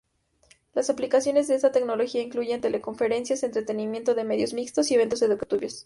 Las aplicaciones de esta tecnología incluyen tele-conferencias, entretenimiento de medios mixtos y eventos educativos.